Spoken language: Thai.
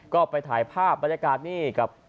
ก็ไปถ่ายภาพบรรยากาศนี่กับ